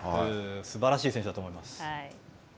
すばらしい選手だと思います。